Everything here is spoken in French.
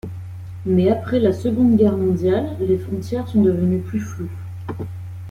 Mais après la Seconde Guerre mondiale, les frontières sont devenues plus floues.